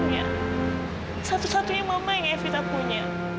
dan sejati dia nanti aku akan berubah menjadi mama yang evita punya